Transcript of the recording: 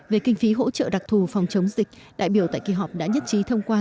về kinh phí hỗ trợ đặc thù phòng chống dịch đại biểu tại kỳ họp đã nhất trí thông qua